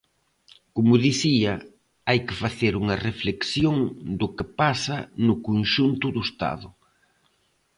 Como dicía, hai que facer unha reflexión do que pasa no conxunto do Estado.